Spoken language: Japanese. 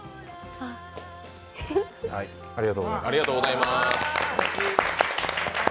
ありがとうございます。